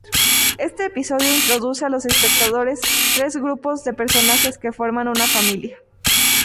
Este episodio introduce a los espectadores tres grupos de personajes que forman una familia.